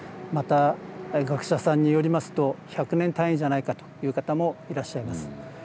また、学者さんによりますと、１００年単位じゃないかという方もいらっしゃいます。